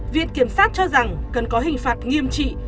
viện kiểm sát cho rằng cần có hình phạt nghiêm trị